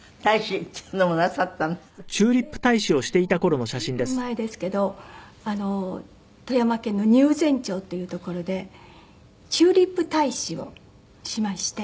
もう随分前ですけど富山県の入善町っていう所でチューリップ大使をしまして。